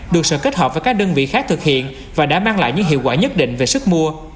được sở kết hợp với các đơn vị khác thực hiện và đã mang lại những hiệu quả nhất định về sức mua